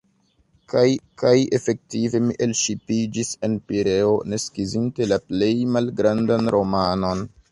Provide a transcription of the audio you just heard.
Kaj efektive, mi elŝipiĝis en Pireo, ne skizinte la plej malgrandan romanon.